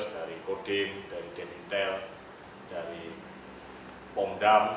dari kodim dari delitel dari pomdam